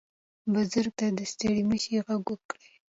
بزګر ته د ستړي مشي غږ وکړئ.